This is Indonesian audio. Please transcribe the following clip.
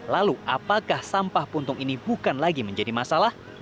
lalu apakah sampah puntung ini bukan lagi menjadi masalah